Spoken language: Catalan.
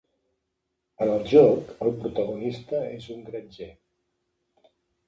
En el joc el protagonista és un granger.